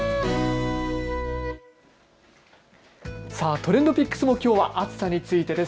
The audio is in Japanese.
ＴｒｅｎｄＰｉｃｋｓもきょうは暑さについてです。